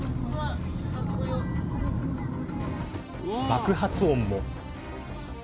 爆発音も。